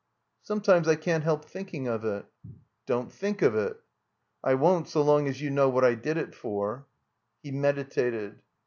"Sometimes I can't help thinking of it." "Don't thmk of it." "I won't so long as you know what I did it for." He meditated.